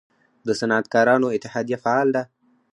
د صنعتکارانو اتحادیه فعال ده؟